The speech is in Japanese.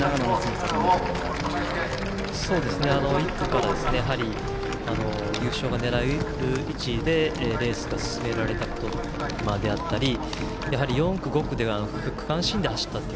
１区から優勝が狙える位置でレースが進められたことであったりやはり４区、５区で区間新で走ったという。